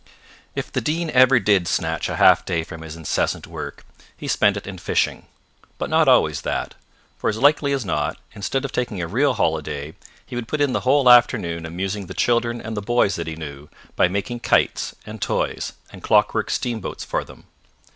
If the Dean ever did snatch a half day from his incessant work, he spent it in fishing. But not always that, for as likely as not, instead of taking a real holiday he would put in the whole afternoon amusing the children and the boys that he knew, by making kites and toys and clockwork steamboats for them.